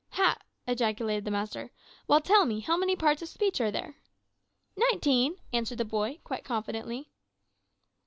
"`Ha!' ejaculated the master; `well, tell me, how many parts of speech are there?' "`Nineteen,' answered the boy, quite confidently.